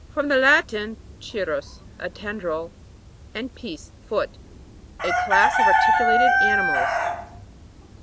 From the Latin, cir rus, a tendril, and pes, foot. A class of articulated ani mals.